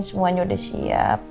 semuanya udah siap